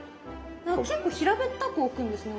結構平べったく置くんですね